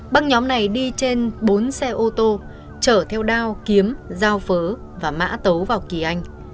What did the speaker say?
băng nhóm này đi trên bốn xe ô tô chở theo đao kiếm giao phớ và mã tấu vào kỳ anh